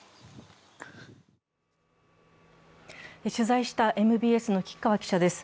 取材したＭＢＳの吉川記者です。